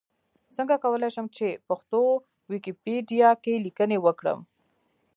څنګه کولای شم چې پښتو ويکيپېډيا کې ليکنې وکړم؟